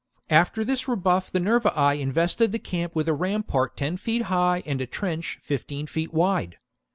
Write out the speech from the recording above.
Aftcr this rcbuff the Nervii invested the adopt Roman siege camp with a rampart' ten feet high and a trench fifteen feet wide.